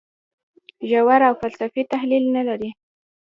ژور او فلسفي تحلیل نه لري.